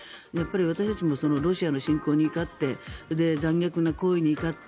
私たちもロシアの侵攻に怒って残虐な行為に怒って